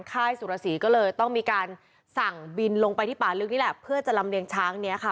ค่ายสุรสีก็เลยต้องมีการสั่งบินลงไปที่ป่าลึกนี่แหละเพื่อจะลำเลียงช้างนี้ค่ะ